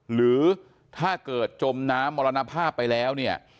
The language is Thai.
หรือถ้าเกิดจมน้ำมรณภาพไปแล้วเนี่ย